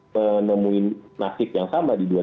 menemui nasib yang sama di dua ribu dua puluh